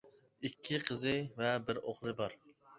ئىككى قىزى ۋە بىر ئوغلى بار.